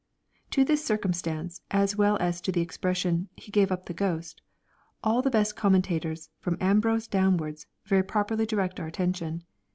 To this circumstance, as well as to the expression " He gave up the ghost," all the best commentators, from Ambrose downwards, very properly direct our attention.